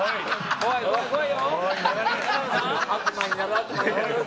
怖い怖い怖い！